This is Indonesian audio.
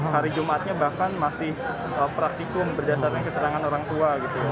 hari jumatnya bahkan masih praktikum berdasarkan keterangan orang tua